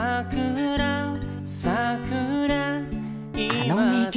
あの名曲も。